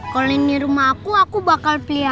kalau ini rumah aku aku bakal pilihannya